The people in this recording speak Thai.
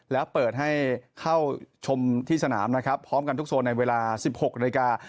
แล้วเปิดให้เข้าชมที่สนามนะครับพร้อมกันทุกโซนในเวลา๑๖นาฬิกา